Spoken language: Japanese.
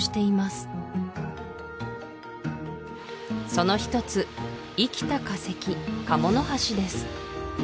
そのひとつ生きた化石カモノハシです